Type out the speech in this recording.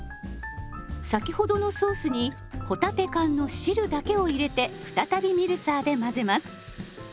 先ほどのソースに帆立て缶の汁だけを入れて再びミルサーで混ぜます。